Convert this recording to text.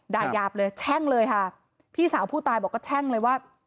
ยาบเลยแช่งเลยค่ะพี่สาวผู้ตายบอกก็แช่งเลยว่า